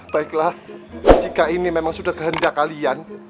baiklah jika ini memang sudah kehendak kalian